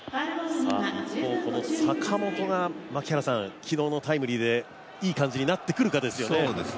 坂本が昨日のタイムリーでいい感じになってくるかですよね。